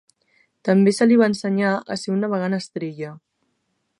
També se li va ensenyar a ser un navegant estrella.